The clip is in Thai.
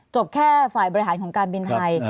จบแค่ฝ่ายบริหารของการบินไทย